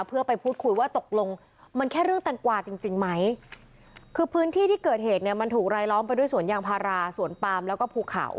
เพื่อไปพูดคุยว่าตกลงมันแค่เรื่องแตงกวาจริงจริงไหมคือพื้นที่ที่เกิดเหตุเนี่ยมันถูกรายล้อมไปด้วยสวนยางพาราสวนปามแล้วก็ภูเขา